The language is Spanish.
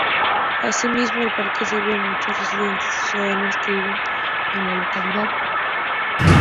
Asimismo el parque sirve a muchos residentes y ciudadanos que viven en la localidad.